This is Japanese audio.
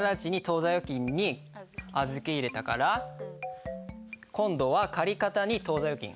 当座預金に預け入れたから今度は借方に当座預金。